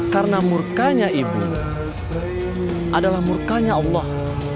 karena murkanya ibu adalah murkanya allah